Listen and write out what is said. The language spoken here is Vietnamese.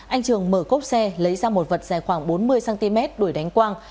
anh trường mở cốp xe lấy ra một vật dài khoảng bốn mươi cm đuổi đánh quang